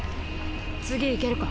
次いけるか？